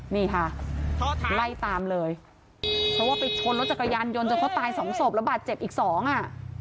นี่ค่ะไล่ตามเลยเพราะว่าไปชนรถจักรยานยนต์จนเขาตายสองศพแล้วบาดเจ็บอีกสองอ่ะ